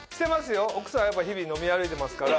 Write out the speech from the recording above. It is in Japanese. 奥さんやっぱ日々飲み歩いてますから。